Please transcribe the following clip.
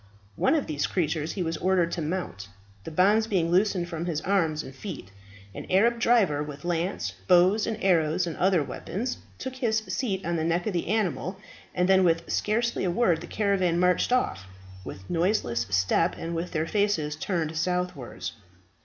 One of these creatures he was ordered to mount, the bonds being loosed from his arms and feet. An Arab driver, with lance, bows, and arrows, and other weapons, took his seat on the neck of the animal, and then with scarcely a word the caravan marched off, with noiseless step, and with their faces turned southwards.